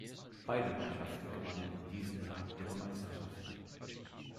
Beide Mannschaften gewannen in diesem Jahre ihre Meisterschaften.